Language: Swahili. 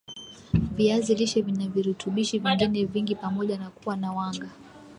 viazi lishe vina virutubishi vingine vingi pamoja na kuwa na wanga